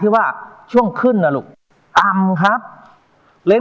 มารวมปิดทอง